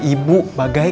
aku mau ke rumah